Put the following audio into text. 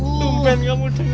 udah kamu denger